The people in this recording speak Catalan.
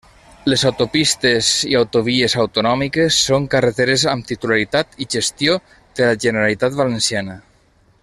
Les autopistes i autovies autonòmiques són carreteres amb titularitat i gestió de la Generalitat Valenciana.